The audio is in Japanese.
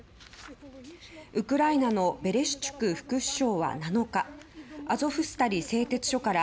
ウクライナのベレシュチュク副首相は７日アゾフスタリ製鉄所から